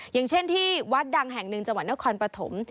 อย่างเช่นที่วัดดังแห่งหนึ่งจังหวัดนครปฐม